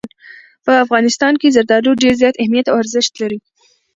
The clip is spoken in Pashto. په افغانستان کې زردالو ډېر زیات اهمیت او ارزښت لري.